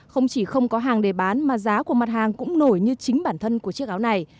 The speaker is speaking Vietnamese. không chỉ không có hàng để bán mà giá của mặt hàng cũng nổi như chính bản thân của chiếc áo này